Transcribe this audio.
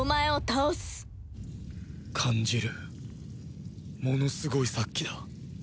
感じるものすごい殺気だ